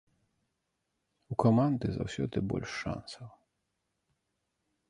У каманды заўсёды больш шансаў.